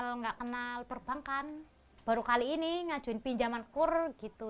nggak kenal perbankan baru kali ini ngajuin pinjaman kur gitu